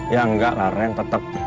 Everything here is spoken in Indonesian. ya nggak lah ren tetep